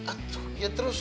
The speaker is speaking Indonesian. aduh ya terus